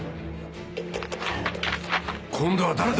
今度は誰だ？